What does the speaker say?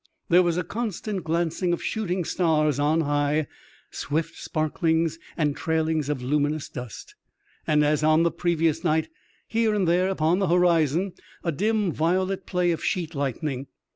There was a constant glancing of shooting stars on high^ swift sparklings and trailings of luminous dust, and, as on the previous night, here and there upon the horizon a dim violet play of sheet lightning.